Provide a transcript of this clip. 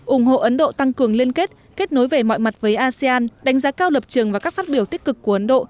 ủng hộ ấn độ tăng cường liên kết kết nối về mọi mặt với asean đánh giá cao lập trường và các phát biểu tích cực của ấn độ